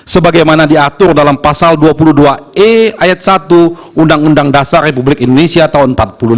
sebagaimana diatur dalam pasal dua puluh dua e ayat satu undang undang dasar republik indonesia tahun seribu sembilan ratus empat puluh lima